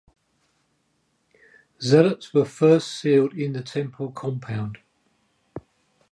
Zealots were at first sealed in the Temple compound.